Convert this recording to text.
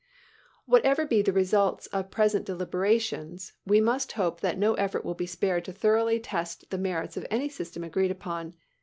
Whatever be the result of present deliberations, we must hope that no effort will be spared to thoroughly test the merits of any system agreed upon.